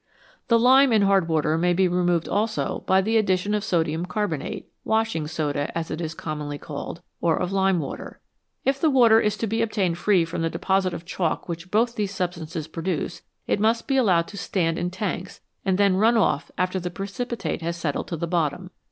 The lime in a hard water may be removed also by the addition of sodium carbonate washing soda, as it is commonly called or of lime water. If the water is to be obtained free from the deposit of chalk which both these substances produce, it must be allowed to stand in tanks, and then run off after the precipitate has settled to the bottom.